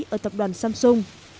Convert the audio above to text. ở tập đoàn samsung